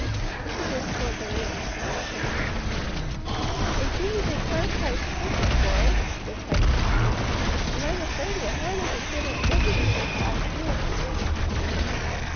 Mr. Dinsmore and the ladies smiled faintly. "They seemed to think mine quite sufficient, Horace," replied his father, "and I'm afraid will hardly consider it necessary to ask yours."